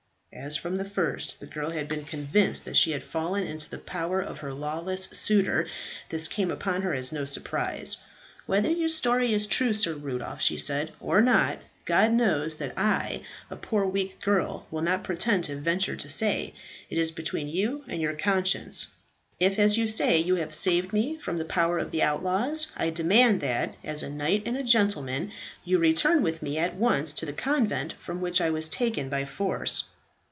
As from the first the girl had been convinced that she had fallen into the power of her lawless suitor, this came upon her as no surprise. "Whether your story is true, Sir Rudolph," she said, "or not, God knows, and I, a poor weak girl, will not pretend to venture to say. It is between you and your conscience. If, as you say, you have saved me from the power of the outlaws, I demand that, as a knight and a gentleman, you return with me at once to the convent from which I was taken by force."